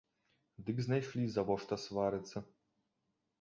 Дык знайшлі завошта сварыцца!